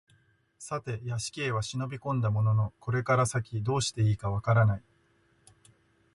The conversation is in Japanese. さて邸へは忍び込んだもののこれから先どうして善いか分からない